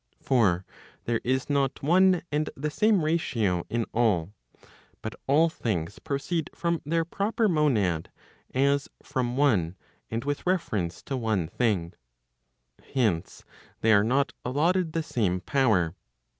For there is not one and the same ratio in all. But all things proceed from their proper monad, as from one, and with reference to one thing. Hence, they are not allotted the same power.